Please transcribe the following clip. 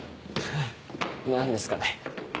ヘヘ何ですかね？